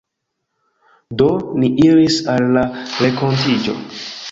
Do, ni iris al la renkontiĝo.